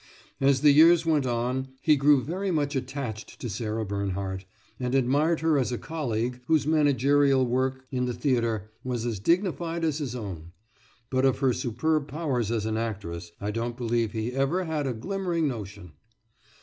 As the years went on he grew very much attached to Sarah Bernhardt, and admired her as a colleague whose managerial work in the theatre was as dignified as his own; but of her superb powers as an actress I don't believe he ever had a glimmering notion!